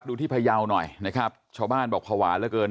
ที่พยาวหน่อยนะครับชาวบ้านบอกภาวะเหลือเกิน